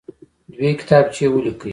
دوې کتابچې ولیکئ.